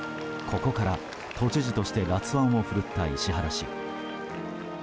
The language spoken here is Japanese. ここから都知事として辣腕を振るった石原氏。